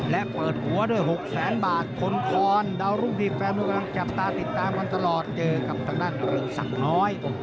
และเปิดหัวด้วย๖แสนบาทคนคอนดาวรุ่งที่แฟนลูกกำลังจับตาติดตามกันตลอดเจอกับทางด้านเรืองศักดิ์น้อย